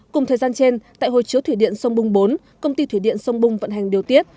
cùng thời gian trên tại hồ chứa thủy điện sông bung bốn công ty thủy điện sông bung vận hành điều tiết